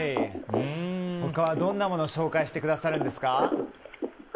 他は、どんなものを紹介してくださるんですか。